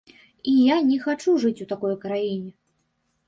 І я не хачу жыць у такой краіне.